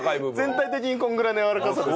全体的にこのぐらいのやわらかさです